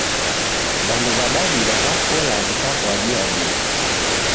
Wandu w'a dawida w'akola wikaw'uadia dini